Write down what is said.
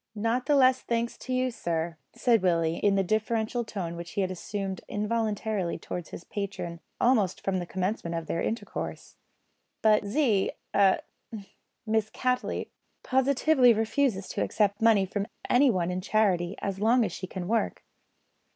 "Not the less thanks to you, sir," said Willie, in the deferential tone which he had assumed involuntarily towards his patron almost from the commencement of their intercourse; "but Z a Miss Cattley positively refuses to accept of money from anyone in charity, as long as she can work."